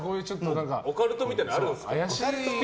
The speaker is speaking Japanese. オカルトみたいなのあるんですか？